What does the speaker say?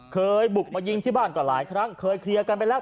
เคยบุกมันมาเยี่ยมมาหลายครั้งเคยเคลียร์กันไปแล้ว